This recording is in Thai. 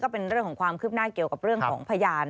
เป็นเรื่องของความคืบหน้าเกี่ยวกับเรื่องของพยาน